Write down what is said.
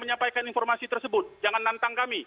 menyampaikan informasi tersebut jangan nantang kami